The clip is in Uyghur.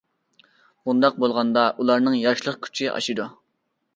بۇنداق بولغاندا ئۇلارنىڭ ياشلىق كۈچى ئاشىدۇ.